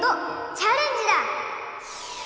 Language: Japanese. チャレンジだ！